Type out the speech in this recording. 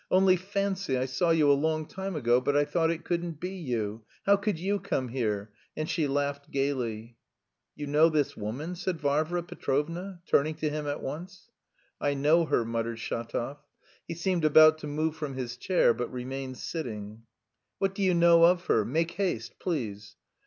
"Only fancy, I saw you a long time ago, but I thought it couldn't be you! How could you come here!" And she laughed gaily. "You know this woman?" said Varvara Petrovna, turning to him at once. "I know her," muttered Shatov. He seemed about to move from his chair, but remained sitting. "What do you know of her? Make haste, please!"